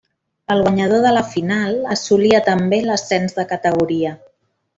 El guanyador de la final assolia, també, l'ascens de categoria.